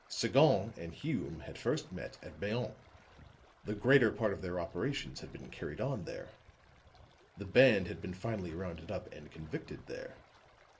Sagon and Hume had first met at Bayonne; the greater part of their operations had been carried on there; the band had been finally rounded up and convicted there.